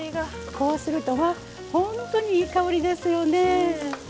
こうすると本当にいい香りですよね。